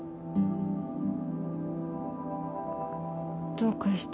どうかした？